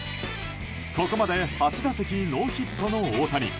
ここまで８打席ノーヒットの大谷。